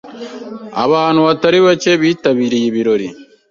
Abantu batari bake bitabiriye ibirori.